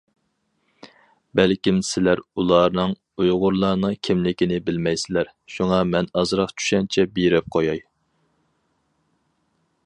بەلكىم سىلەر ئۇلارنىڭ (ئۇيغۇرلارنىڭ) كىملىكىنى بىلمەيسىلەر، شۇڭا مەن ئازراق چۈشەنچە بېرىپ قوياي.